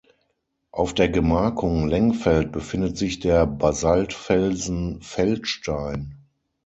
Auf der Gemarkung Lengfeld befindet sich der Basaltfelsen „Feldstein“.